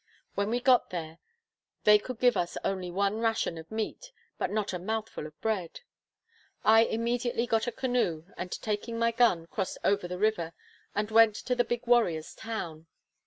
When we got there, they could give us only one ration of meat, but not a mouthful of bread. I immediately got a canoe, and taking my gun, crossed over the river, and went to the Big Warrior's town.